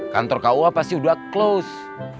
kantor kua pasti udah close